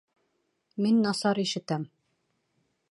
Мин насар ишетәм